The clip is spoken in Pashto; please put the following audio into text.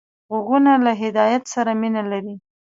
غوږونه له هدایت سره مینه لري